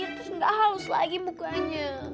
terus nggak halus lagi mukanya